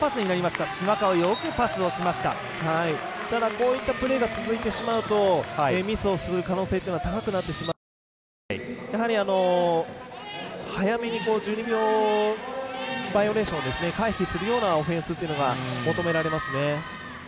ただ、こういったプレーが続いてしまうとミスをする可能性というのは高くなってしまうのでやはり、早めに１２秒バイオレーションを回避するようなオフェンスというのが求められますね。